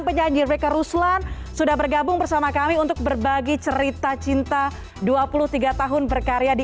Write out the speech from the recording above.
penyanyi rika ruslan sudah bergabung bersama kami untuk berbagi cerita cinta dua puluh tiga tahun berkarya di